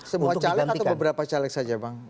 semua caleg atau beberapa caleg saja bang